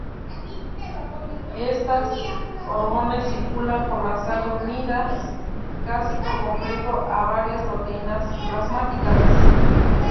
Estas hormonas circulan por la sangre unidas casi por completo a varias proteínas plasmáticas.